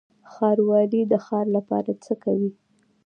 ښاروالي د ښار لپاره څه کوي؟